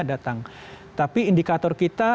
datang tapi indikator kita